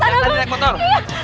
jambret tadi naik motor